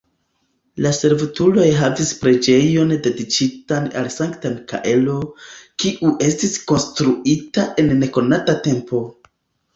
La servutuloj havis preĝejon dediĉitan al Sankta Mikaelo, kiu estis konstruita en nekonata tempo.